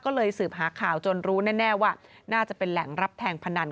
ก็เลยสืบหาข่าวจนรู้แน่ว่าน่าจะเป็นแหล่งรับแทงพนัน